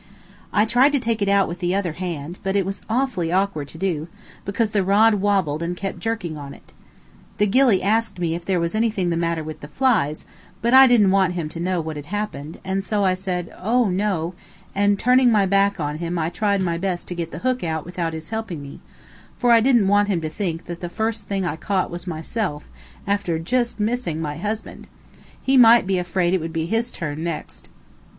I tried to take it out with the other hand, but it was awfully awkward to do, because the rod wobbled and kept jerking on it. The gilly asked me if there was anything the matter with the flies, but I didn't want him to know what had happened, and so I said, "Oh, no," and turning my back on him I tried my best to get the hook out without his helping me, for I didn't want him to think that the first thing I caught was myself, after just missing my husband he might be afraid it would be his turn next.